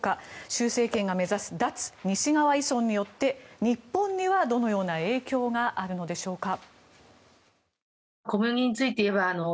習政権が目指す脱西側依存によって日本にはどのような影響があるのでしょうか。